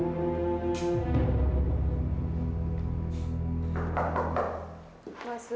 umur riko sudah berjaya